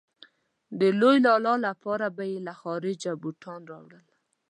د لوی لالا لپاره به يې له خارجه بوټونه راوړل.